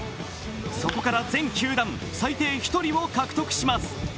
そこから全球団、最低１人を獲得します。